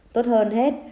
tốt hơn hết